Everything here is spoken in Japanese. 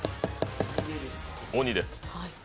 鬼です。